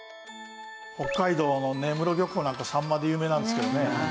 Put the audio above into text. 北海道の根室漁港なんかサンマで有名なんですけどね。